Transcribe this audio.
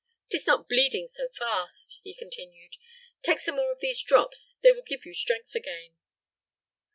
'Tis not bleeding so fast," he continued. "Take some more of these drops; they will give you strength again."